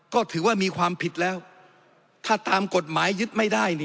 ก็ถือว่ามีความผิดแล้วถ้าตามกฎหมายยึดไม่ได้